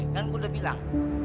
kan gue udah bilang